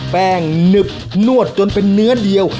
แป้งหนึบนวดจนเป็นเนื้อเดียว